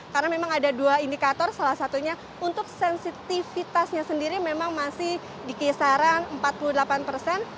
karena memang ada dua indikator salah satunya untuk sensitivitasnya sendiri memang masih di kisaran empat puluh delapan persen